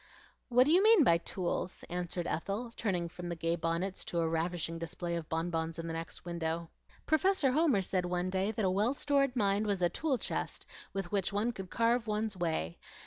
"What do you mean by tools?" asked Ethel, turning from the gay bonnets to a ravishing display of bonbons in the next window. "Professor Homer said one day that a well stored mind was a tool chest with which one could carve one's way.